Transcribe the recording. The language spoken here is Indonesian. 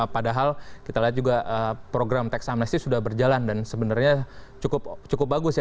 padahal kita lihat juga program teks amnesty sudah berjalan dan sebenarnya cukup bagus ya